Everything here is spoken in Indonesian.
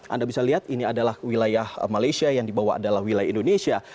anda bisa lihat ini adalah wilayah malaysia yang dibawa adalah wilayah indonesia